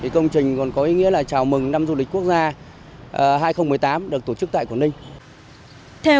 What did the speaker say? công trình còn có ý nghĩa là chào mừng năm du lịch quốc gia hai nghìn một mươi tám được tổ chức tại quảng ninh